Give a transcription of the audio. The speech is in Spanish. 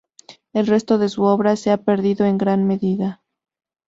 El resto de su obra se ha perdido en gran medida.